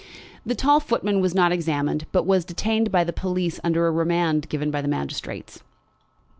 The tall footman was not examined, but was detained by the police under a remand given by the magistrates.